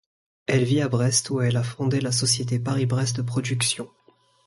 Elle vit à Brest, où elle a fondé la société Paris-Brest Productions.